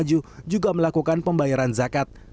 juga melakukan pembayaran zakat